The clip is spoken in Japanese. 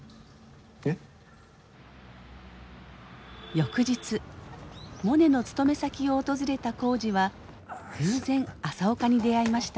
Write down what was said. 翌日モネの勤め先を訪れた耕治は偶然朝岡に出会いました。